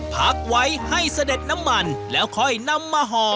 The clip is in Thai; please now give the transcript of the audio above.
พักไว้ให้เสด็จน้ำมันแล้วค่อยนำมาห่อ